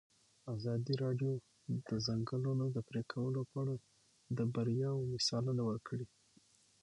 ازادي راډیو د د ځنګلونو پرېکول په اړه د بریاوو مثالونه ورکړي.